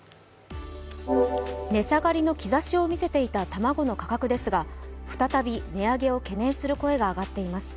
値下がりの兆しを見せていた卵の価格ですが再び値上げを懸念する声が上がっています。